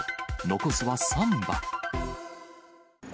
残すは３羽。